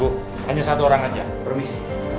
bu hanya satu orang saja permisi